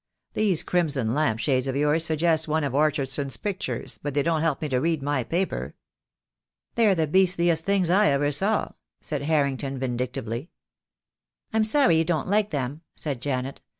Those crimson lamp shades of yours suggest one of Orchardson's pictures, but they don't help me to read my paper." "They're the beastliest things I ever saw," said Har rington vindictively. "I'm sorry you don't like them," said Janet.